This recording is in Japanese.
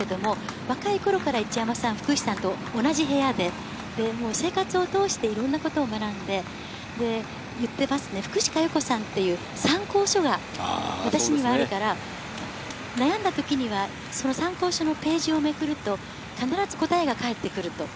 若い頃から一山さんは福士さんと同じ部屋で、生活を通していろんなことを学んで、言ってますね、福士加代子さんという参考書が私にはあるから、悩んだ時には、その参考書のページをめくると、必ず答えが返ってくると。